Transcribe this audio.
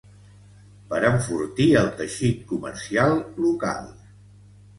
Per enfortir el teixit comercial local.